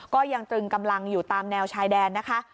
ก็ยังตรึงกำลังอยู่ตามแนวชายแดนนะคะ